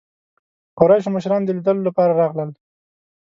قریشو مشران د لیدلو لپاره راغلل.